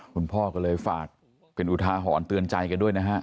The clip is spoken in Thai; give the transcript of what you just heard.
คุณพ่อก็เลยฝากเป็นอุทาหรณ์เตือนใจกันด้วยนะฮะ